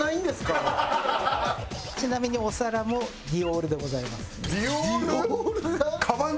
ちなみにお皿もＤＩＯＲでございます。